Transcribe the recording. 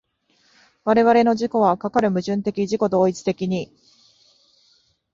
我々の自己はかかる矛盾的自己同一的に